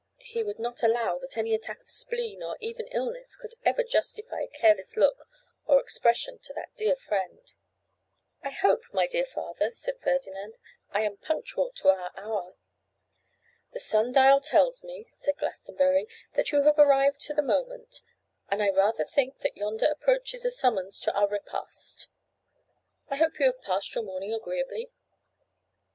He would not allow that any attack of spleen, or even illness, could ever justify a careless look or expression to that dear friend. 'I hope, my dear father,' said Ferdinand, 'I am punctual to our hour?' 'The sun dial tells me,' said Glastonbury, 'that you have arrived to the moment; and I rather think that yonder approaches a summons to our repast. I hope you have passed your morning agreeably?